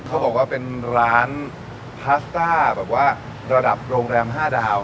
เขาบอกว่าเป็นร้านพาสต้าแบบว่าระดับโรงแรม๕ดาว